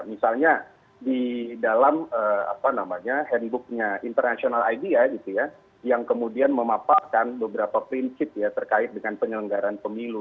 misalnya di dalam handbooknya international idea gitu ya yang kemudian memaparkan beberapa prinsip ya terkait dengan penyelenggaran pemilu